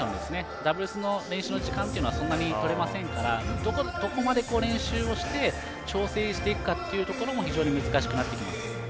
ダブルスの練習の時間というのはそんなにとれませんからどこまで練習をして調整をしていくかも難しくなっていきます。